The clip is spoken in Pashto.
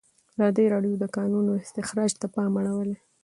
ازادي راډیو د د کانونو استخراج ته پام اړولی.